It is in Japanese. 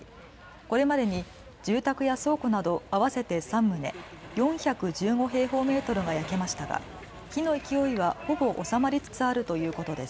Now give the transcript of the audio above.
これまでに住宅や倉庫など合わせて３棟、４１５平方メートルが焼けましたが火の勢いはほぼ収まりつつあるということです。